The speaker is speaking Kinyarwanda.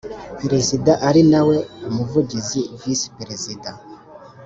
Perezida ari nawe umuvugizi visi perezida